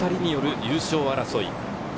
その２人による優勝争い。